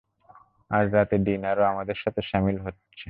আজ রাতে ডিনারে ও আমাদের সাথে শামিল হচ্ছে!